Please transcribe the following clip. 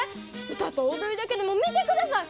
歌と踊りだけでも見てください！